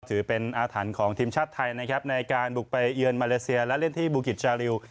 ถือเป็นอาถรรพ์ของทีมชาติไทยนะครับในการบุกไปเยือนมาเลเซียและเล่นที่บูกิจชาริว